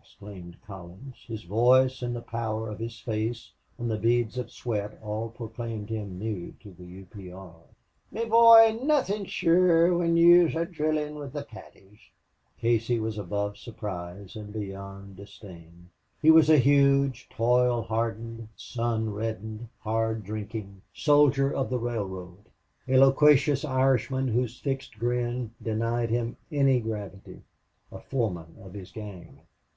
exclaimed Collins. His voice and the pallor of his face and the beads of sweat all proclaimed him new to the U. P. R. "Me boy, nothin's shure whin yez are drillin' with the Paddies." Casey was above surprise and beyond disdain. He was a huge, toil hardened, sun reddened, hard drinking soldier of the railroad, a loquacious Irishman whose fixed grin denied him any gravity, a foreman of his gang.